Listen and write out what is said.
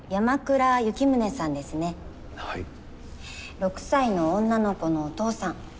６歳の女の子のお父さん。